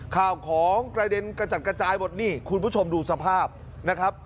ข่าวของกระเด็นกระจัดกระจายหมดนี่คุณผู้ชมดูสภาพนะครับ